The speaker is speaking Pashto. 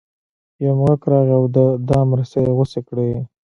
یو موږک راغی او د دام رسۍ یې غوڅې کړې.